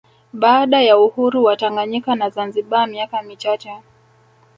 Baada ya uhuru wa Tanganyika na Zanzibar miaka michache